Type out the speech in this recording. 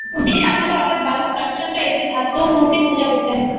তিনি ‘রামলালা’ অর্থাৎ বালক রামচন্দ্রের একটি ধাতুমূর্তি পূজা করতেন।